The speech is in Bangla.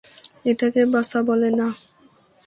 এটাকে বাঁচা বলে না।